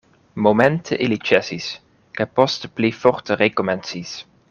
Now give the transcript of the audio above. Momente ili ĉesis, kaj poste pli forte rekomencis.